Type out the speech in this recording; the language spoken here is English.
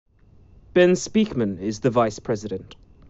Ben Speakmon is the vice-president.